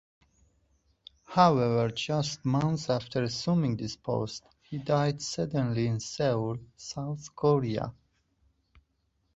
However just months after assuming this post, he died suddenly in Seoul, South Korea.